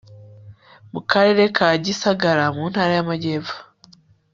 mu karere ka gisagara mu ntara y'amajyepfo